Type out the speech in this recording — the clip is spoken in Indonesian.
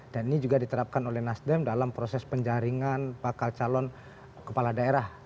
dan ini juga diterapkan oleh nasdem dalam proses penjaringan bakal calon kepala daerah